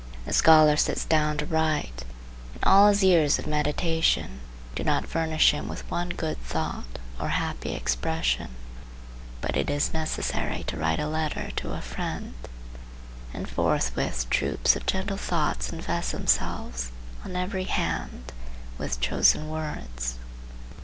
The scholar sits down to write, and all his years of meditation do not furnish him with one good thought or happy expression; but it is necessary to write a letter to a friend,—and forthwith troops of gentle thoughts invest themselves, on every hand, with chosen words.